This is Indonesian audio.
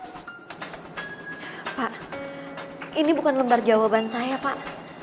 pak ini bukan lembar jawaban saya pak